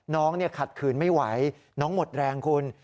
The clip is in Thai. ขัดขืนไม่ไหวน้องหมดแรงคุณ